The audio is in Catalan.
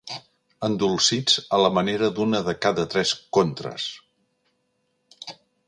Endolcits a la manera d'una de cada tres Contres.